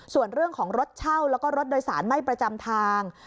ส่วนเรื่องของรถเช่าแล้วก็รถโดยสารไม่ประจำทาง